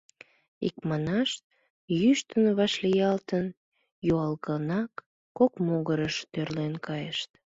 Икманаш, йӱштын вашлиялтын, юалгынак кок могырыш торлен кайышт...